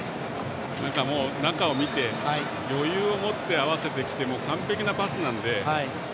中を見て余裕を持って合わせてきて完璧なパスなので。